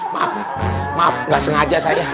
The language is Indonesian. maaf maaf nggak sengaja saya